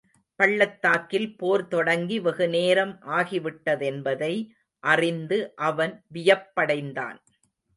பள்ளத்தாக்கில் போர் தொடங்கி வெகுநேரம் ஆகிவிட்டதென்பதை அறிந்து அவன் வியப்படைந்தான்.